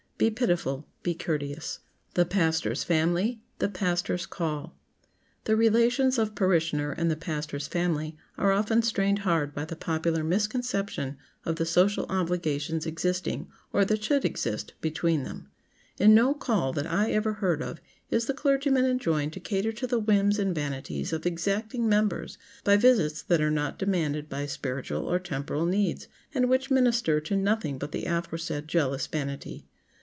"Be pitiful; be courteous!" [Sidenote: THE PASTOR'S FAMILY] [Sidenote: THE PASTOR'S CALL] The relations of parishioner and the pastor's family are often strained hard by the popular misconception of the social obligations existing—or that should exist—between them. In no "call" that I ever heard of is the clergyman enjoined to cater to the whims and vanities of exacting members by visits that are not demanded by spiritual or temporal needs, and which minister to nothing but the aforesaid jealous vanity.